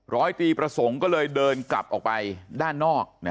ร้อยตีประสงค์ก็เลยเดินกลับออกไปด้านนอก